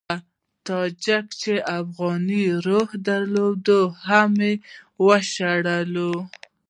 هغه تاجکان چې افغاني روحیې درلودې هم وشړل شول.